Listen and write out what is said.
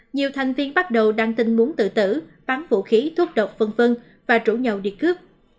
nhiều thành viên bắt đầu đăng tin muốn tự tử bắn vũ khí thuốc độc v v và rủ nhau đi cướp